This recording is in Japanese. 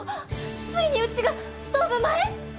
ついにうちがストーブ前？